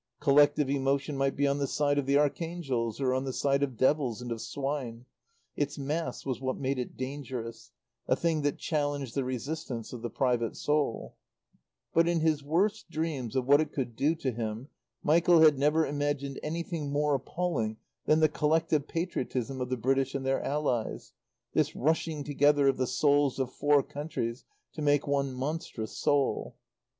Collective emotion might be on the side of the archangels or on the side of devils and of swine; its mass was what made it dangerous, a thing that challenged the resistance of the private soul But in his worst dreams of what it could do to him Michael had never imagined anything more appalling than the collective patriotism of the British and their Allies, this rushing together of the souls of four countries to make one monstrous soul.